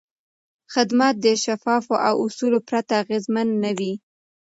خدمت د شفافو اصولو پرته اغېزمن نه وي.